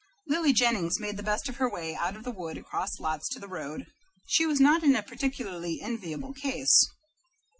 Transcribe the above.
Lily Jennings made the best of her way out of the wood across lots to the road. She was not in a particularly enviable case.